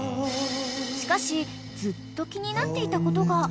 ［しかしずっと気になっていたことが］